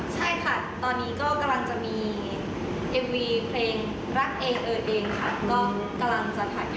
ใช่ค่ะตอนนี้ก็กำลังจะมีเอ็มวีเพลงรักเองเออเองค่ะก็กำลังจะถ่าย